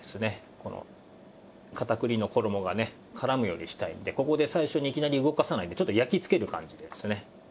この片栗の衣がねからむようにしたいのでここで最初にいきなり動かさないでちょっと焼きつける感じでですね